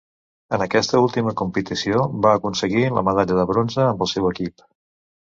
En aquesta última competició va aconseguir la medalla de bronze amb el seu equip.